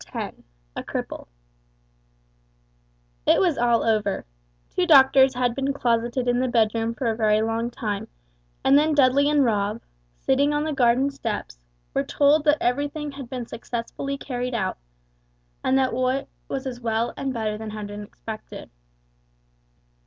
X A CRIPPLE It was all over; two doctors had been closetted in the bedroom for a very long time, and then Dudley and Rob, sitting on the garden steps, were told that everything had been successfully carried out, and Roy was as well and better than had been expected.